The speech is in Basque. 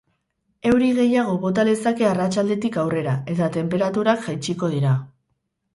Euri gehiago bota lezake arratsaldetik aurrera, eta tenperaturak jatsiko dira.